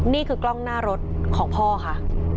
นี่คือกล้องหน้ารถของพ่อค่ะ